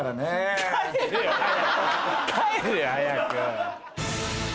帰れよ早く。